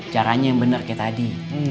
caranya yang benar kayak tadi